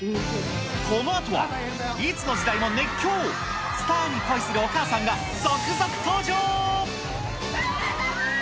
このあとは、いつの時代も熱狂、スターに対するお母さんが続々登場。